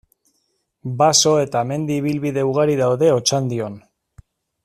Baso eta mendi ibilbide ugari daude Otxandion.